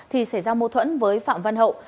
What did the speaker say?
thì xảy ra mô thuẫn với phạm văn hậu